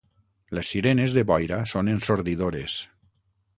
Les sirenes de boira són ensordidores.